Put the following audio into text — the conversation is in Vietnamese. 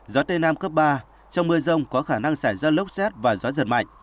gió tây nam cấp ba trong mưa rông có khả năng xảy ra lốc xét và gió giật mạnh